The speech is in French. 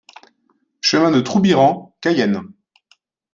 Chemin de Troubiran, Cayenne